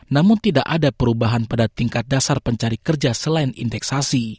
namun tidak ada perubahan pada tingkat dasar pencari kerja selain indeks sasi